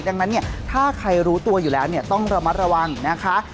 ดังนั้นเนี่ยถ้าใครรู้ตัวอยู่แล้วเนี่ยต้องระมัดระวังนะคะ